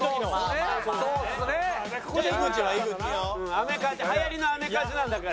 アメカジはやりのアメカジなんだから。